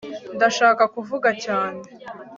ndashaka kuvuga cyane,